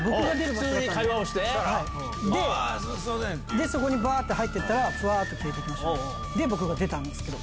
普通に会話をして？でそこに入ってったらふわっと消えて行きましたで僕が出たんですけど。